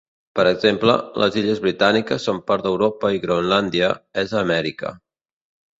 Per exemple, les illes Britàniques són part d'Europa i Groenlàndia és a Amèrica.